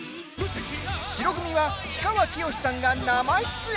白組は氷川きよしさんが生出演。